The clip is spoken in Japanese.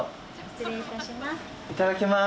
失礼いたします。